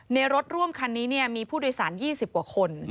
รถร่วมคันนี้มีผู้โดยสาร๒๐กว่าคน